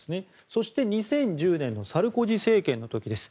そして、２０１０年のサルコジ政権の時です。